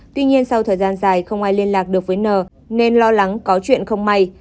tuy nhiên sau thời gian dài không ai liên lạc được với n nên lo lắng có chuyện không may